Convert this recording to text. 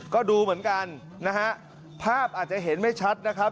ก็ดูเหมือนกันนะฮะภาพอาจจะเห็นไม่ชัดนะครับ